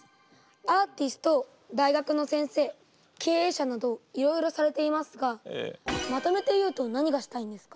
アーティスト大学の先生経営者などいろいろされていますがまとめて言うと何がしたいんですか？